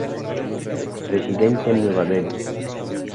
Residente en Nueva Delhi.